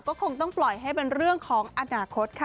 ก็คงต้องปล่อยให้เป็นเรื่องของอนาคตค่ะ